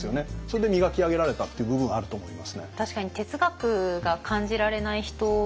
それで磨き上げられたっていう部分あると思いますね。